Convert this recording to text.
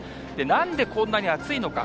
なんでこんなに暑いのか。